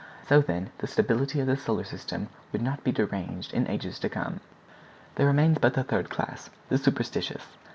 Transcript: So, then, the stability of the solar system would not be deranged in ages to come. There remains but the third class, the superstitious.